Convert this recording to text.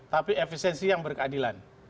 kita tidak terima efisiensi yang tidak berkeadilan